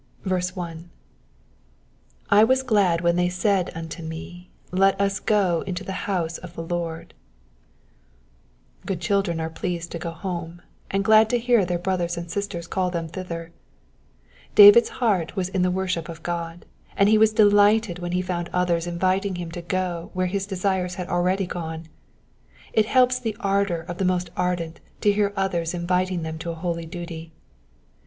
1. "J was glad when they said unto me^ Let us go into the house of the Lord." Good childrea are pleased to go home, and glad to hear their brothers and sisters call them thither. David^s heart was in the worship of God, and he was delighted when he found others inviting him to ^o where his desires had already gone : it helps the ardour of the most ardent to hear others inviting them to a holy duty.